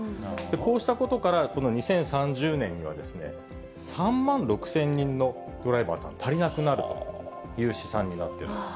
こうしたことから、この２０３０年には、３万６０００人のドライバーさん、足りなくなるという試算になってます。